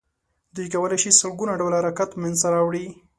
دوی کولای شي سل ګونه ډوله حرکت منځ ته راوړي.